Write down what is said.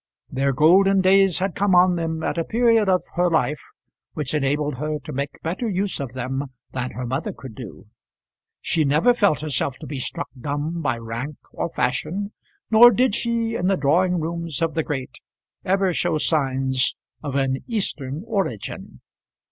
Their golden days had come on them at a period of her life which enabled her to make a better use of them than her mother could do. She never felt herself to be struck dumb by rank or fashion, nor did she in the drawing rooms of the great ever show signs of an Eastern origin.